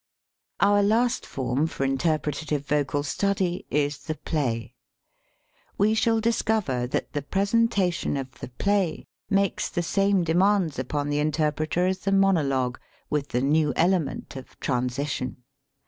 Our last form for interpretative vocal study is the play. We shall discover that the pres entation of the play makes the same de mands upon the interpreter as the monologue with the new element of "transition."